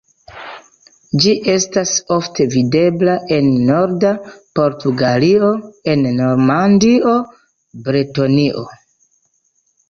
Ĝi estas ofte videbla en norda Portugalio, en Normandio, Bretonio.